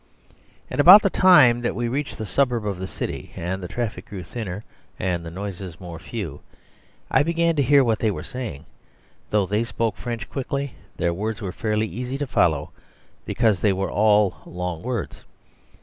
And about the time that we reached the suburb of the city, and the traffic grew thinner, and the noises more few, I began to hear what they were saying. Though they spoke French quickly, their words were fairly easy to follow, because they were all long words.